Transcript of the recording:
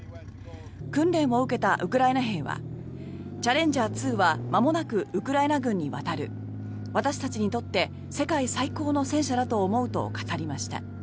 訓練を受けたウクライナ兵はチャレンジャー２はまもなくウクライナ軍に渡る私たちにとって世界最高の戦車だと思うと語りました。